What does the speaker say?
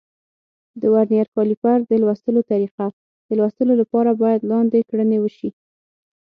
د ورنیر کالیپر د لوستلو طریقه: د لوستلو لپاره باید لاندې کړنې وشي.